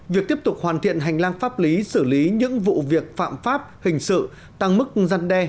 việc tiếp tục hoàn thiện hành lang pháp lý xử lý những vụ việc phạm pháp hình sự tăng mức gian đe